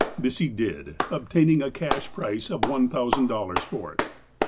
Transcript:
This he did, obtaining a cash price of one thousand dollars for it.